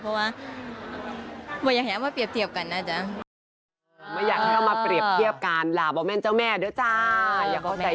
เป็นมลำน้อยเป็นอิหลาน้อย